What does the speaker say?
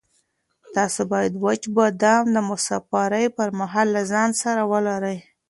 تاسو باید وچ بادام د مسافرۍ پر مهال له ځان سره ولرئ.